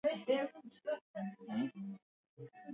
okana na kupewa baraka zote na wananchi wa taifa hilo